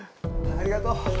ありがとう。